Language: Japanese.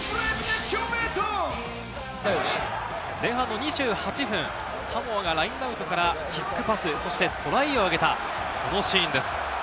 前半の２８分、サモアがラインアウトからキックパス、そしてトライを挙げたこのシーンです。